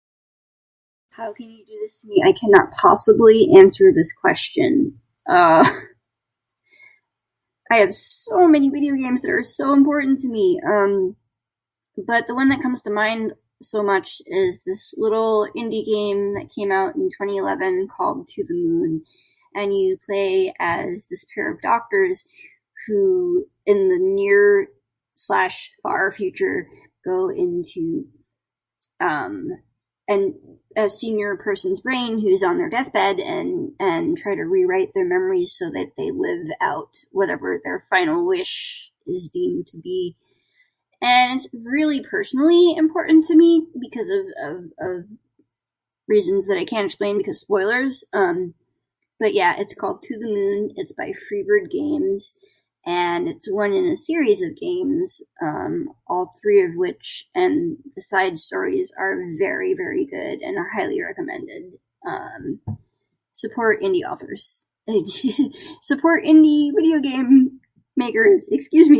How can you do this to me? I cannot possibly answer this question. Uh, I have so many video games that are so important to me. Um, but the one that comes to mind so much is this little indie game that came out in twenty eleven called To The Moon. And you play as this pair of doctors who in the near slash far future go into, um, an- a senior persons brain who's on their deathbed, and and try to rewrite their memories so they live out whatever their final wish is deemed to be. And it's really personally important to me because of of of reasons that I can't explain because spoilers. Um, but yeah, it's called To The Moon, it's by Freebird Games and it's one in a series of games, um, all three of which and the side stories are very, very good and are highly recommended. Support indie authors... support indie video game makers, excuse me!